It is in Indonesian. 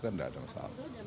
nggak ada masalah